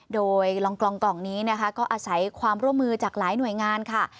โดยลองกลองกล่องนี้นะคะก็อาศัยความร่วมมือจากหลายหน่วยงานค่ะ